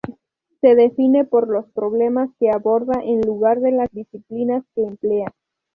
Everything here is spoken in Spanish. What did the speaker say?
Se define por los problemas que aborda en lugar de las disciplinas que emplea.